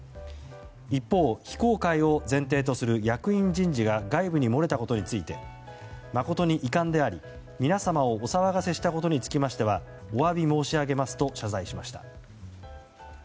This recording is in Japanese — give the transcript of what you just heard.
一方、非公開を前提とする役員人事が外部に漏れたことについて誠に遺憾であり、皆様をお騒がせしたことにつきましてはお詫び申し上げますと謝罪しました。